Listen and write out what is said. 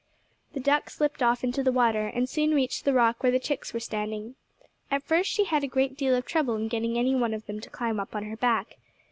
The duck slipped off into the water, and soon reached the rock where the chicks were standing. At first she had a great deal of trouble in getting any one of them to climb up on her back.